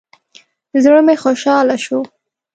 زړه مې خوشاله شو.